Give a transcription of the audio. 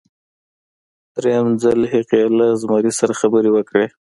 دریم ځل هغې له زمري سره خبرې وکړې.